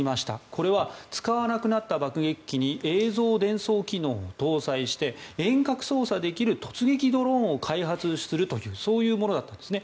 これは使わなくなった爆撃機に映像伝送機能を搭載して遠隔操作できる突撃ドローンを開発するというそういうものだったんですね。